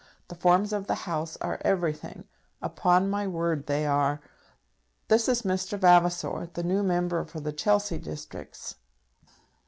The forms of the House are everything; upon my word they are. This is Mr. Vavasor, the new Member for the Chelsea Districts."